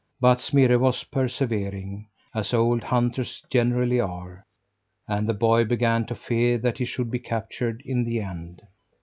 But Smirre was persevering as old hunters generally are and the boy began to fear that he should be captured in the end.